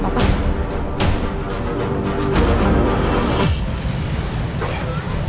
saya gak tahu apa apa